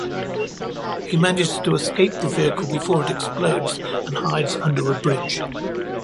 He manages to escape the vehicle before it explodes and hides under a bridge.